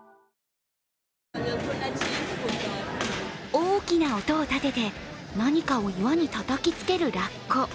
大きな音を立てて、何かを岩にたたきつけるラッコ。